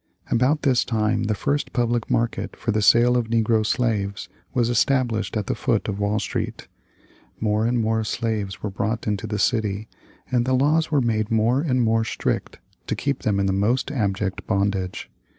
About this time the first public market for the sale of negro slaves was established at the foot of Wall Street. More and more slaves were brought into the city, and the laws were made more and more strict to keep them in the most abject bondage.